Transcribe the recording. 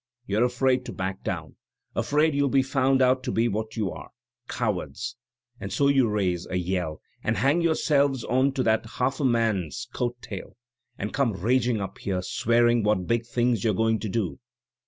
'' you're afraid to back down — afraid you'll be found out to be what you are — cowards — and so you raise, a yell, and hang yourselves on to that half a man's coat tail, and come raging up here, swearing what big things you're going to do.